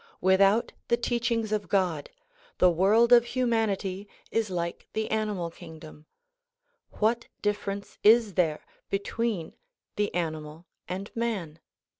With out the teachings of God the world of humanity is like the animal kingdom. What difference is there between the animal and man?